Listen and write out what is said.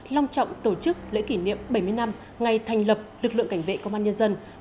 long trọng tổ chức lễ kỷ niệm bảy mươi năm ngày thành lập lực lượng cảnh vệ công an nhân dân